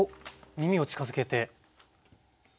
耳を近づけて。